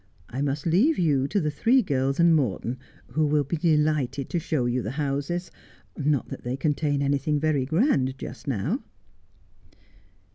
I must leave you to the three girls and Morton, who will be delighted to show you the houses — not that they contain anything very grand just now.'